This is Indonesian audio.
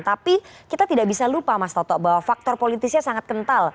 tapi kita tidak bisa lupa mas toto bahwa faktor politisnya sangat kental